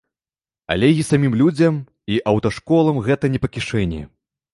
Але і самім людзям, і аўташколам гэта не па кішэні.